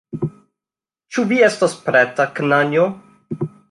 Ĉu vi estas preta, knanjo?